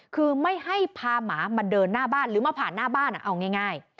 คือไม่ให้พาหมามาเดินหน้าบ้านหรือมาผ่านหน้าบ้านเอาง่าย